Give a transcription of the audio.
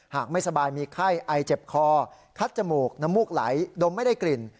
หากไม่สบายมีไข้ไอเจ็บคอคัดจมูกน้ำมูกไหลดมไม่ได้กลิ่น